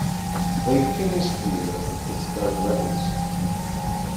They finished the year as the Pittsburgh Rebels.